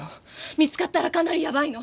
見つかったらかなりヤバイの！